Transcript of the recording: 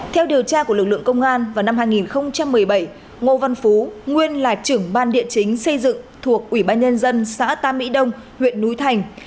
theo điều tra của lực lượng công an vào năm hai nghìn một mươi bảy ngô văn phú nguyên là trưởng ban địa chính xây dựng thuộc ủy ban nhân dân xã tam mỹ đông huyện núi thành